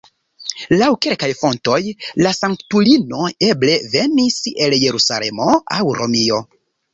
Laŭ kelkaj fontoj, la sanktulino eble venis el Jerusalemo aŭ Romio.